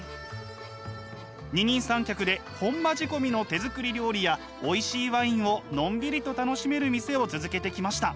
二人三脚で本場仕込みの手作り料理やおいしいワインをのんびりと楽しめる店を続けてきました。